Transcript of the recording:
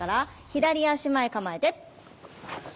左足前構えて。